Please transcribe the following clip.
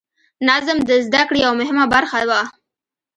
نظم د زده کړې یوه مهمه برخه وه.